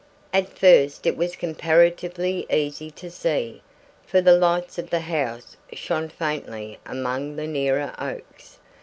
At first it was comparatively easy to see, for the lights of the house shone faintly among the nearer oaks.